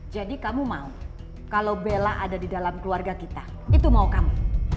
jadi kamu mau kalau bella ada di dalam keluarga kita itu mau kamu